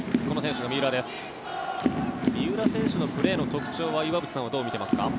三浦選手のプレーの特徴は岩渕さんはどう見ていますか？